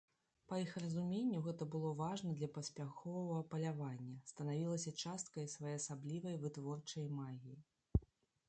Па іх разуменню гэта было важна для паспяховага палявання, станавілася часткай своеасаблівай вытворчай магіі.